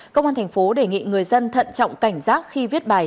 công an tp đề nghị người dân thận trọng cảnh giác khi viết bài